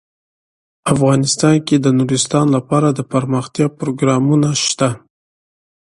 افغانستان کې د نورستان لپاره دپرمختیا پروګرامونه شته.